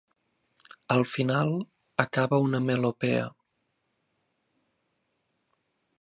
Al final, acaba una melopea.